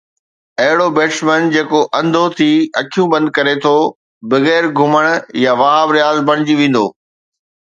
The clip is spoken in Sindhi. اهڙو بيٽسمين جيڪو انڌو ٿي اکيون بند ڪري ٿو بغير گھمڻ يا وهاب رياض بڻجي ويندو.